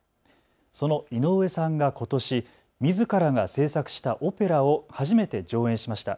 その井上さんがことしみずからが制作したオペラを初めて上演しました。